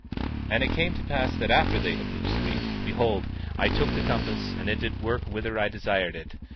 18:21 And it came to pass after they had loosed me, behold, I took the compass, and it did work whither I desired it.